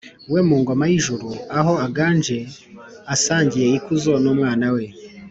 we mu ngoma y’ijuru, aho aganje asangiye ikuzo n’umwana we.